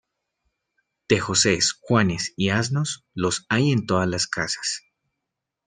De Josés, Juanes y asnos, los hay en todas las casas.